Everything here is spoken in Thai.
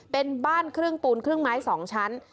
เป็นบ้านครึ่งปูนครึ่งไม้๒ชั้น